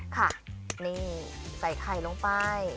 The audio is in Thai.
ค่ะนี่ใส่ไข่ลงไป